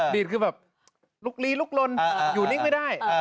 ดีดก็แบบลูกลีลูกลนอยู่หน้ายุ่งไม่ได้